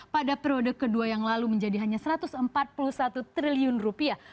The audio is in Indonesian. pada periode kedua yang lalu menjadi hanya satu ratus empat puluh satu triliun rupiah